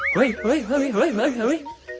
เฮ้ยเฮ้ยเฮ้ยเฮ้ย